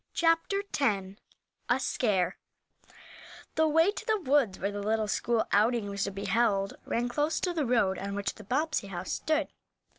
CHAPTER X A SCARE THE way to the woods where the little school outing was to be held ran close to the road on which the Bobbsey house stood.